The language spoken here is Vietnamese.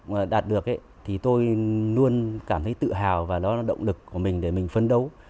các cháu học học đạt được thì tôi luôn cảm thấy tự hào và đó là động lực của mình để mình phấn đấu